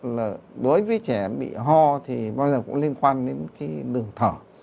là đối với trẻ bị ho thì bao giờ cũng liên quan đến cái đường thở